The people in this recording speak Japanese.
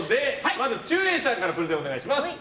まず、ちゅうえいさんからプレゼンお願いします。